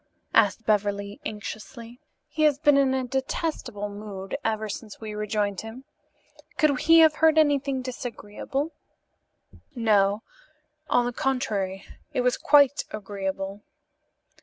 asked Beverly anxiously. "He has been in a detestable mood ever since we rejoined him. Could he have heard anything disagreeable?" "No; on the contrary, it was quite agreeable."